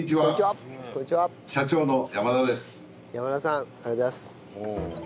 山田さんありがとうございます。